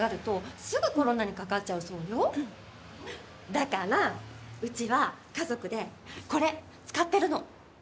だから、うちは家族でこれ使ってるの。